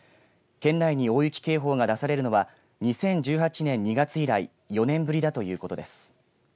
県内に大雪警報が出されるのは２０１８年２月以来４年ぶりだということです。